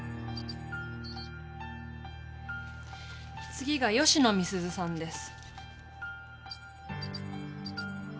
次が吉野美鈴さんです。